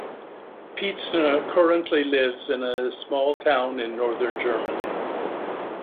Pietzner currently lives in a small town in northern Germany.